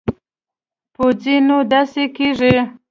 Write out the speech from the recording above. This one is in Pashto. پوجي نو داسې کېږي.